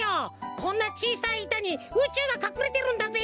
こんなちいさいいたにうちゅうがかくれてるんだぜ！